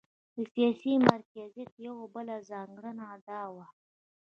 د سیاسي مرکزیت یوه بله ځانګړنه دا وه.